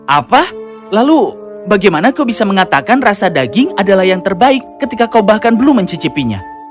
apa lalu bagaimana kau bisa mengatakan rasa daging adalah yang terbaik ketika kau bahkan belum mencicipinya